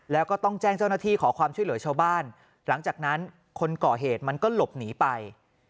แล้วก็ต้องแจ้งเจ้าหน้าที่ขอความช่วยเหลือชาวบ้านหลังจากนั้นคนก่อเหตุมันก็หลบหนีไป